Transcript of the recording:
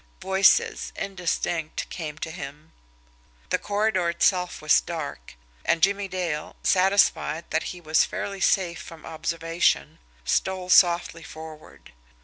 Voices, indistinct, came to him. The corridor itself was dark; and Jimmie Dale, satisfied that he was fairly safe from observation, stole softly forward.